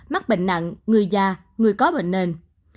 mắc bệnh nặng người già người có bệnh nền